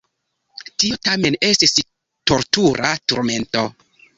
Tio tamen estis tortura turmento.